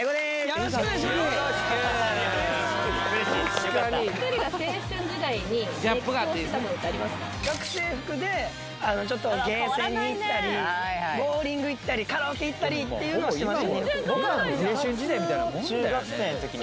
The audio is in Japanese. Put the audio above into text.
よろしくお願いしますに行ったりボウリング行ったりカラオケ行ったりっていうのはしてましたね